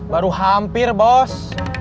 baru hampir bos